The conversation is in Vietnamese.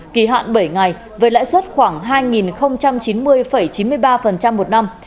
kỳ hạn bảy ngày với lãi suất khoảng hai chín mươi chín mươi ba một năm